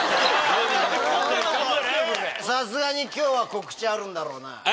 さすがに今日は告知あるんだろうな？